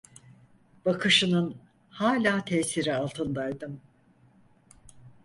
Bakışının hala tesiri altındaydım.